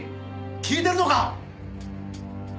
聞いてるのか？